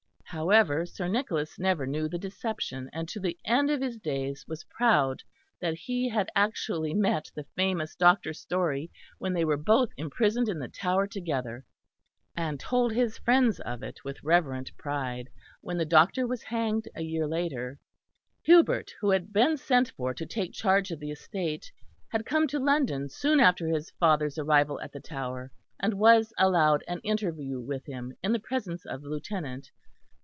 However, Sir Nicholas never knew the deception, and to the end of his days was proud that he had actually met the famous Dr. Storey, when they were both imprisoned in the Tower together, and told his friends of it with reverent pride when the doctor was hanged a year later. Hubert, who had been sent for to take charge of the estate, had come to London soon after his father's arrival at the Tower; and was allowed an interview with him in the presence of the Lieutenant.